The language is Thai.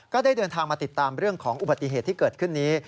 ก็ได้เดินทางมาติดตามเรื่องของอุบัติเหตุที่เกิดขึ้นนี้